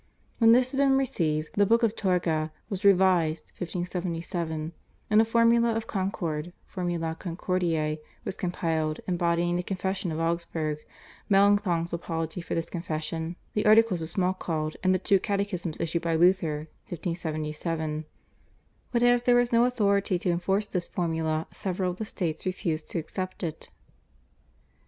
When this had been received the /Book of Torgau/ was revised (1577) and a Formula of Concord (/Formula Concordiae/) was compiled, embodying the Confession of Augsburg, Melanchthon's Apology for this Confession, the Articles of Schmalkald and the two Catechisms issued by Luther (1577). But as there was no authority to enforce this Formula several of the states refused to accept it.